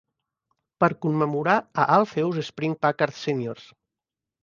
Per commemorar a Alpheus Spring Packard Srs.